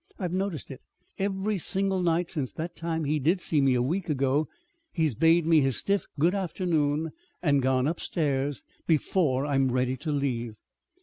I've noticed it. Every single night since that time he did see me a week ago, he's bade me his stiff good afternoon and gone upstairs before I'm ready to leave."